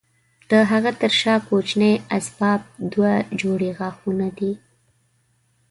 د هغه تر شا کوچني آسیاب دوه جوړې غاښونه دي.